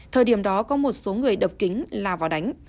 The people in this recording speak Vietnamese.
thời điểm đó có một số người đập kính lao vào đánh